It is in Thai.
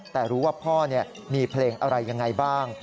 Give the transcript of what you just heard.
แต่รู้ว่าพ่อมีเพลงอะไรยังไงบ้าง